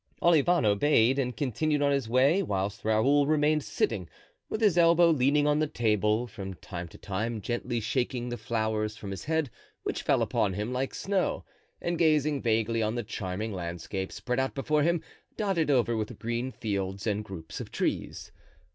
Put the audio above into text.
Olivain obeyed and continued on his way, whilst Raoul remained sitting, with his elbow leaning on the table, from time to time gently shaking the flowers from his head, which fell upon him like snow, and gazing vaguely on the charming landscape spread out before him, dotted over with green fields and groups of trees.